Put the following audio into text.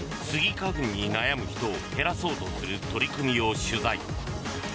花粉に悩む人を減らそうとする取り組みを取材。